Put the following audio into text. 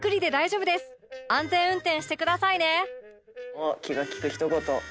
「あっ気が利くひと言」